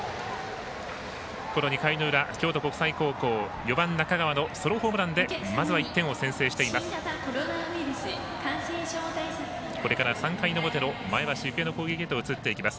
この２回の裏、京都国際高校４番、中川のソロホームランでまずは１点を先制しています。